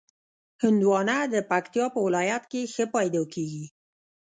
هندوانه د پکتیا په ولایت کې ښه پیدا کېږي.